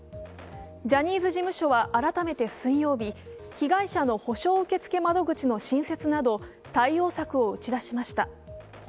ジャニーズ事務所は改めて水曜日、被害者の補償受付窓口の新設など対応策を打ち出しました。